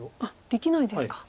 できないですか。